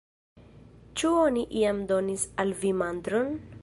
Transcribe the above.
Ĉu oni jam donis al vi mantron?